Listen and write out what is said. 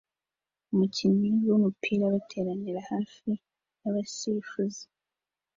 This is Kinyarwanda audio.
Abakinnyi b'umupira bateranira hafi yabasifuzi